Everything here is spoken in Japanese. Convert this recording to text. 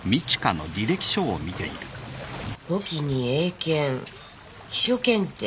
簿記に英検秘書検定